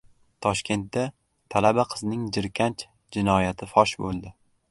Toshkentda talaba qizning jirkanch jinoyati fosh bo‘ldi